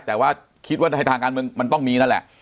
แต่ว่าคิดว่าในทางการเมืองมันต้องมีนั่นแหละ